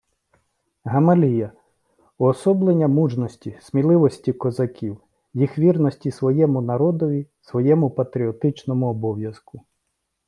Гамалія — уособлення мужності, сміливості козаків, їх вірності своєму народові, своєму патріотичному обов'язку